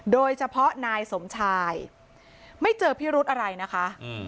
โดยเฉพาะนายสมชายไม่เจอพิรุธอะไรนะคะ